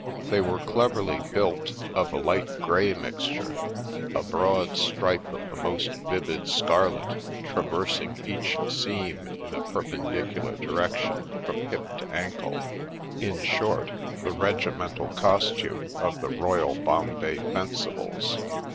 They were cleverly ' built,' of a h'ght grey mixture, a broad Btripe of the most vivid scarlet traversing each seam in a per pendicular direction from hip to ankle, — in short, the regimental costume of the Royal Bombay Fencibles.